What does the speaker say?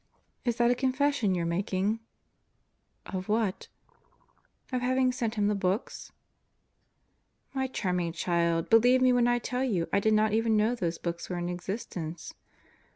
"Is that a confession you're making?" "Of what?" "Of having sent him the books?" "My charming child, believe me when I tell you I did not even know those books were in existence."